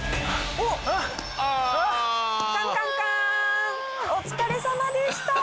お疲れさまでした。